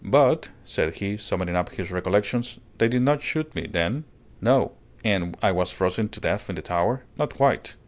"But," said he, summoning up his recollections, "they did not shoot me, then?" "No." "And I wasn't frozen to death in the tower?" "Not quite."